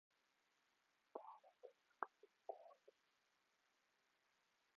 دا وطــن د ټولو کـــــــــــور دی